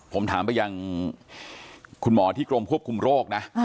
ผมถามไปยังคุณหมอที่กรมควบคุมโรคนะ